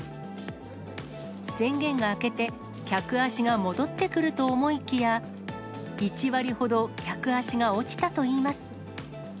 宣言が明けて、客足が戻ってくると思いきや、１割ほど客足が落ちたといいます。